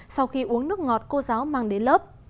sau khi uống nước ngọt cô giáo mang đến lớp